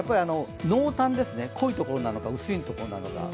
濃淡ですね、濃いところなのか薄いところなのか。